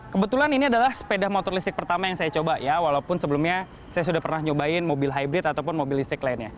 kebetulan ini adalah sepeda motor listrik pertama yang saya coba ya walaupun sebelumnya saya sudah pernah nyobain mobil hybrid ataupun mobil listrik lainnya